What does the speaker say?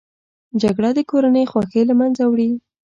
جګړه د کورنۍ خوښۍ له منځه وړي